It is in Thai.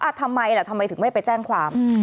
ทำไมล่ะทำไมถึงไม่ไปแจ้งความ